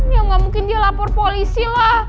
ya nggak mungkin dia lapor polisi lah